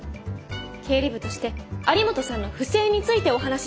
経理部として有本さんの不正についてお話ししています。